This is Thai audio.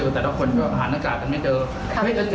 เจอไม่ได้เกี่ยวแต่เพื่องไม่ใช่ของเราเราก็ไม่มีเงินไปซื้ออ๋อ